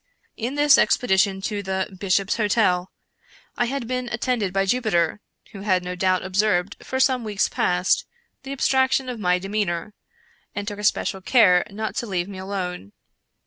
" In this expedition to the ' Bishop's Hotel ' I had been 162 Edgar Allan Poe attended by Jupiter, who had, no doubt, observed, for some weeks past, the abstraction of my demeanor, and took espe cial care not to leave me alone.